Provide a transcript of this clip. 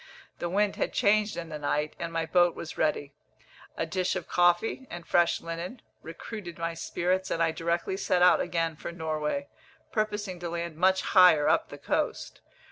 The wind had changed in the night, and my boat was ready. A dish of coffee, and fresh linen, recruited my spirits, and I directly set out again for Norway, purposing to land much higher up the coast.